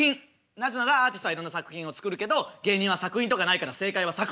なぜならアーティストはいろんな作品を作るけど芸人は作品とかないから正解は作品。